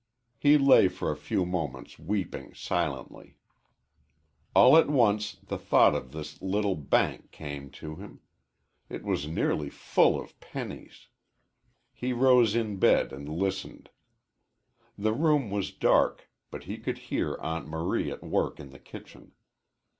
He lay for a few moments weeping silently. All at once the thought of his little bank came to him. It was nearly full of pennies. He rose in bed and listened. The room was dark, but he could hear Aunt Marie at work in the kitchen.